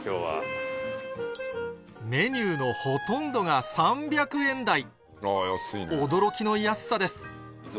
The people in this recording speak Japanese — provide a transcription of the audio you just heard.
メニューのほとんどが３００円台驚きの安さです